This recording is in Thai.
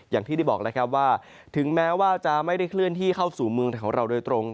อย่างที่ได้บอกแล้วครับว่าถึงแม้ว่าจะไม่ได้เคลื่อนที่เข้าสู่เมืองไทยของเราโดยตรง